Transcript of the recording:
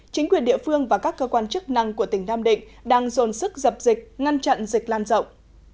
chính quyền địa phương và các cơ quan chức năng của tỉnh nam định đang dồn sức dập dịch ngăn chặn dịch lan rộng